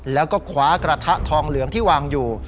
แล้วก็คว้ากระทะทองเหลืองที่วางอยู่